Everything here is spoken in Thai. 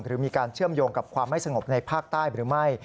หรือมีการเชื่อมโยงกับความไม่สงบในภาคใต้หรือไม่